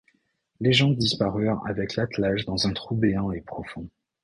Les gens disparurent avec l’attelage dans un trou béant et profond.